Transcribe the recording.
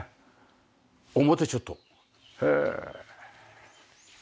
表ちょっとへえ。